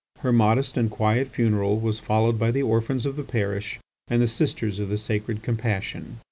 Her modest and quiet funeral was followed by the orphans of the parish and the sisters of the Sacred Compassion.